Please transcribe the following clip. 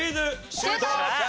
シュート！